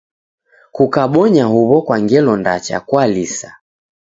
Kukabonya huw'o kwa ngelo ndacha kwalisa.